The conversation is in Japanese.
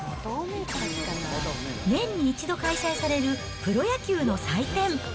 年に１度開催されるプロ野球の祭典。